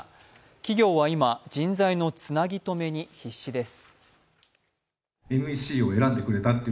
企業は今、人材のつなぎ止めに必死です。